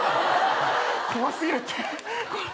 怖すぎるって。